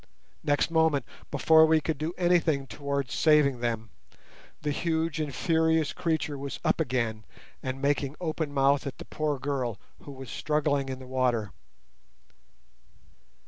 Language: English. Next moment, before we could do anything towards saving them, the huge and furious creature was up again and making open mouthed at the poor girl, who was struggling in the water.